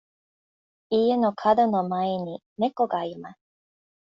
家の門の前に猫がいます。